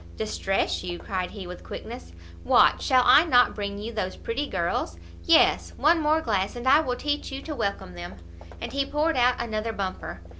"Distress you?" cried he, with quickness, "what shall I not bring you those pretty girls? Yes, one more glass, and I will teach you to welcome them." And he poured out another bumper.